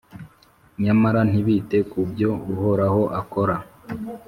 nyamara ntibite ku byo Uhoraho akora,